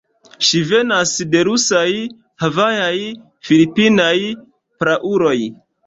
Ŝi venas de rusaj, havajaj, filipinaj prauloj.